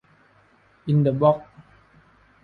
อินเดอะบ็อกซ์